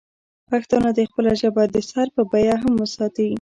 پښتانه دې خپله ژبه د سر په بیه هم وساتي.